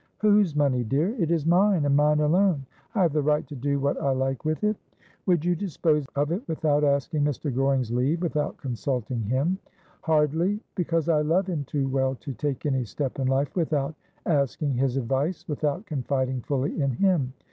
' Whose money, dear ? It is mine, and mine alone. I have the right to do what I like with it.' ' Would you dispose of it without asking Mr. Q oring's leave — without consulting him ?'' Hardly, because I love him too well to take any step in life without asking his advice — without confiding fully in him.